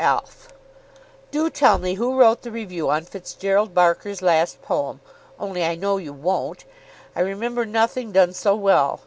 ALF, Do tell me who wrote the review on Fitzgerald Barker's last poem. Only I know you won't. I remember nothing done so well.